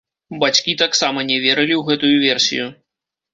Бацькі таксама не верылі ў гэтую версію.